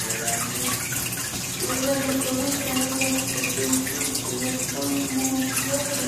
আমি জানি, তোমার কেমন লাগছে, কিন্তু ভালুকটাকে মারলে ভুল হবে।